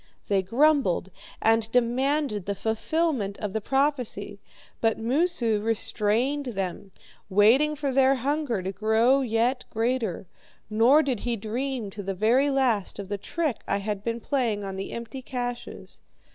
They grumbled and demanded the fulfilment of prophecy, but Moosu restrained them, waiting for their hunger to grow yet greater. Nor did he dream, to the very last, of the trick I had been playing on the empty caches.